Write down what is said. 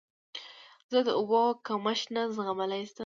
زه د اوبو کمښت نه زغملی شم.